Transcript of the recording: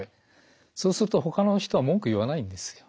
そうするとほかの人は文句言わないんですよ。